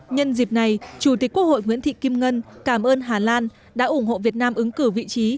nhân dịp này chủ tịch quốc hội nguyễn thị kim ngân cảm ơn hà lan đã ủng hộ việt nam ứng cử vị trí